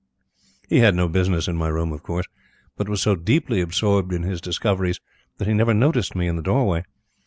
He had no business in my room, of course; but was so deeply absorbed in his discoveries that he never noticed me in the doorway.